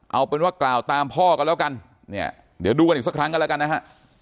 เอาเป็นว่ากล่าวตามพ่อกันแล้วกันเนี่ยเดี๋ยวดูกันอีกสักครั้งกันแล้วกันนะฮะ